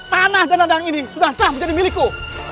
tanah dan ladang ini sudah sah menjadi milikku